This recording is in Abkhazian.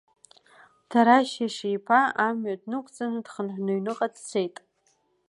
Ҭарашь иашьа иԥа амҩа днықәҵаны дхынҳәны аҩныҟа дцеит.